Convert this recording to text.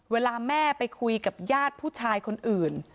เวลาแม่ไปคุยกับญาติผู้ชายคนอื่น